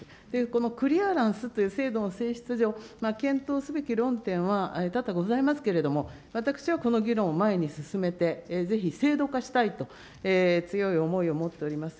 このクリアランスという制度の性質上、検討すべき論点は多々ございますけれども、私はこの議論を前に進めて、ぜひ制度化したいと、強い思いを持っております。